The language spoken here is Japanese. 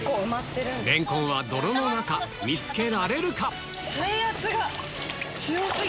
レンコンは泥の中見つけられるか？